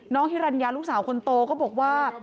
ฮิรัญญาลูกสาวคนโตก็บอกว่า